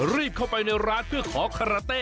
รีบเข้าไปในร้านเพื่อขอคาราเต้